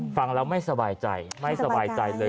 ฟังแล้วไม่สบายใจไม่สบายใจเลย